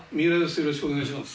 よろしくお願いします。